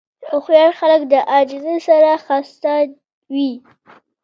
هوښیار خلک د عاجزۍ سره ښایسته وي.